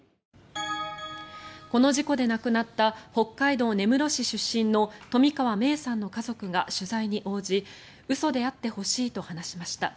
この事故で亡くなった北海道根室市出身の冨川芽生さんの家族が取材に応じ嘘であってほしいと話しました。